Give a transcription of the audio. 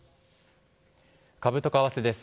株と為替です。